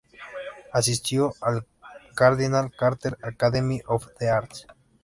Asistió al "Cardinal Carter Academy of The Arts".